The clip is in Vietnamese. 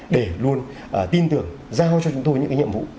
để luôn tin tưởng giao cho chúng tôi những cái nhiệm vụ